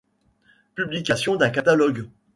Publication d’un catalogue.